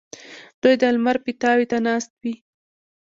دوی د لمر پیتاوي ته ناست وي.